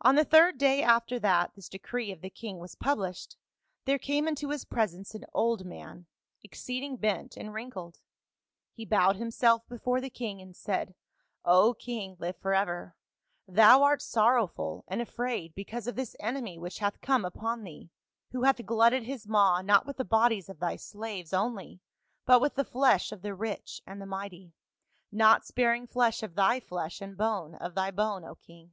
"On the third day after that this decree of the king was published, there came into his presence an old man, exceeding bent and wrinkled ; he bowed himself before the king and said, ' O king, live forever ! thou art sorrowful and afraid because of this enemy which hath come upon thee, who hath glutted his maw not with the bodies of thy slaves only but with the flesh of the rich and the mighty, not sparing flesh of thy flesh and bone of thy bone, O king.